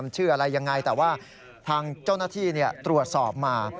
ชื่ออะไรยังไงแต่ว่าทางเจ้าหน้าที่ตรวจสอบมา